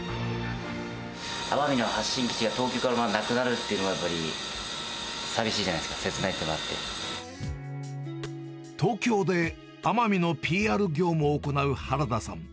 奄美の発信基地が東京からなくなるっていうのは、やっぱり、さみしいじゃないですか、せつな東京で奄美のＰＲ業務を行う原田さん。